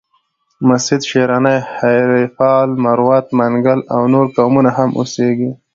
مسید، شیراني، هیریپال، مروت، منگل او نور قومونه هم اوسیږي.